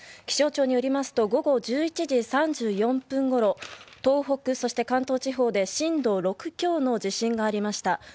気象庁によりますと午後１１時３４分ごろ東北、関東地方で震度６強の地震がありました。